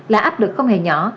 là áp lực không hề nhỏ